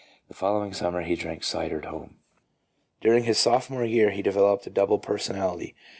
The following summer he drank cider at home. During his sophomore year he developed a " double personality."